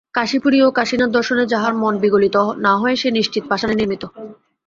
কাশীপুরী ও কাশীনাথদর্শনে যাহার মন বিগলিত না হয়, সে নিশ্চিত পাষাণে নির্মিত।